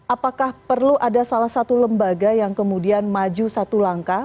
apakah perlu ada salah satu lembaga yang kemudian maju satu langkah